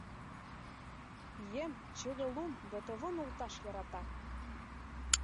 Пием чыве лум дотово нулташ йӧрата.